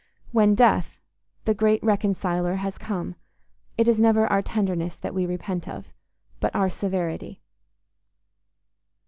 When death, the great Reconciler, has come, it is never our tenderness that we repent of, but our severity.